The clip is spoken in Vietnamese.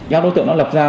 các đối tượng đã lập trình